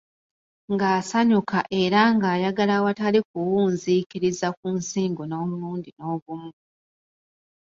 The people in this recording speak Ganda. Ng'asanyuka era ng'ayagala awatali kuwunziikiriza ku nsingo n'omurundi n'ogumu.